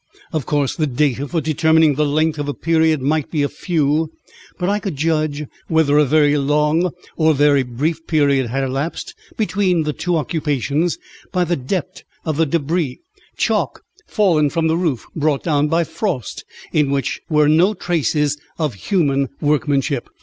Of course, the data for determining the length of a period might be few, but I could judge whether a very long or a very brief period had elapsed between the two occupations by the depth of débris chalk fallen from the roof, brought down by frost, in which were no traces of human workmanship.